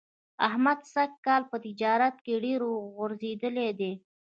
احمد سږ کال په تجارت کې ډېر غورځېدلی دی.